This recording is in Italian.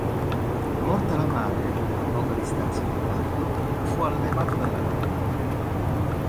Morta la madre, a poca distanza dal parto, fu allevato dalla nonna.